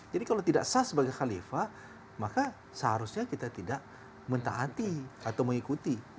jadi kalau tidak sah sebagai khalifah maka seharusnya kita tidak mentaati atau mengikuti